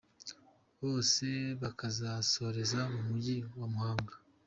bose bakazasoreza mu mujyi wa Muhanga.